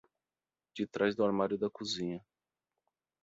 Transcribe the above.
De trás do armário da cozinha.